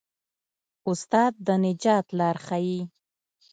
استاد د نجات لار ښيي.